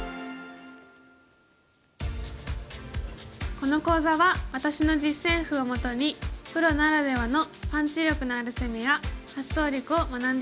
この講座は私の実戦譜をもとにプロならではのパンチ力のある攻めや発想力を学んで頂きます。